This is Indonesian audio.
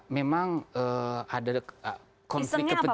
memang ada konflik kepentingan